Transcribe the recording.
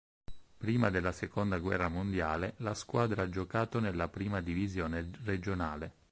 Prima della seconda guerra mondiale la squadra ha giocato nella prima divisione regionale.